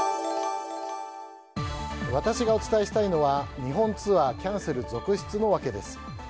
私がお伝えしたいのは日本ツアーキャンセル続出の訳です。